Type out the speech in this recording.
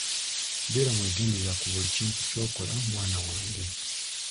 Beera mwegendereza ku buli kintu ky’okola mwana wange.